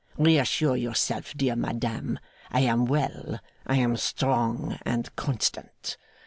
'Reassure yourself, dear madam. I am well, I am strong and constant.